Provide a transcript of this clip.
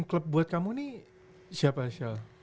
klub buat kamu nih siapa shal